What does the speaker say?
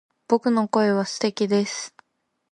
僕の声は素敵です